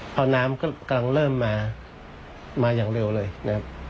พอน้ำก็กำลังเริ่มมามาอย่างเร็วเลยนะครับ